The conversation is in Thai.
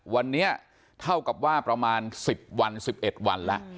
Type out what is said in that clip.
วันนี้เท่ากับว่าประมาณ๑๐วัน๑๑วันแล้ว